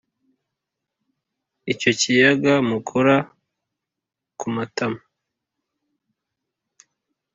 Icyo kiyaga mukora ku matama,